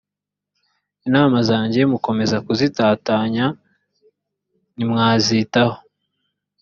intama zanjye mukomeza kuzitatanya ntimwazitaho